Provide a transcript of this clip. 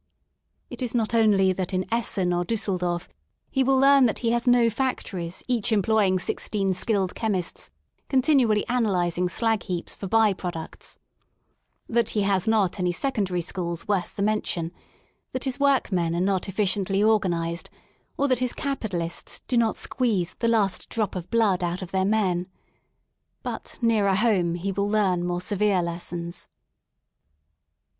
It is not only that in Essen or Dusseldorf he will learn that he has no factories each employing sixteen skilled chemists continually analysing slag heaps for by products | that 24 FROM A DISTANCE he has not any secondary schools worth the mention ; that his workmen are not efficiently organised^ or that his capitalists do not squeeze the last drop of blood out of their men. But nearer home he will learn more severe lessons.